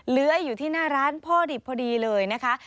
เลื้อยอยู่ที่หน้าร้านพ่อดิบพอดีเลยนะคะ